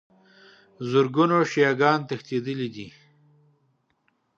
زرګونو شیعه ګان تښتېدلي دي.